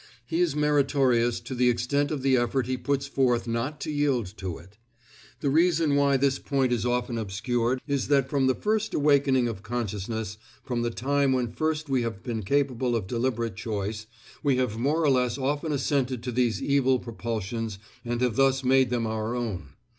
He is meritorious to the extent of the effort he puts forth not to yield to it. The reason why this point is often obscured is that from the first awakening of consciousness, from the time when first we have been capable of deliberate choice, we have more or less often assented to these evil propulsions and have thus made them our own.